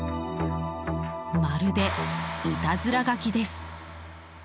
まるで、いたずら書きです。